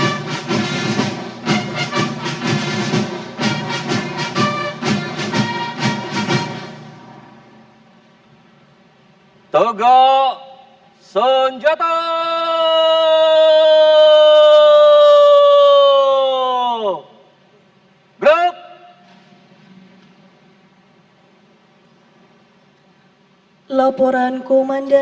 ayo berdo senateilling assurance lima ratus k diesengan perhatian anda